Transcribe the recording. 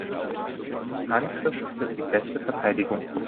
Angriff ist die beste Verteidigung.